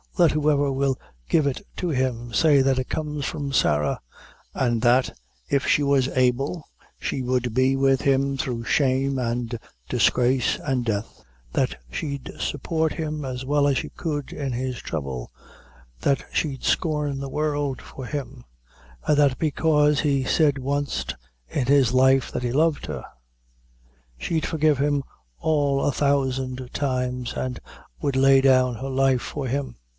Let whoever will give it to him, say that it comes from Sarah an' that, if she was able, she would be with him through shame, an' disgrace, an' death; that she'd support him as well as she could in his trouble that she'd scorn the world for him an' that because he said wanst in his life that he loved her; she'd forgive him all a thousand times, an' would lay down her life for him."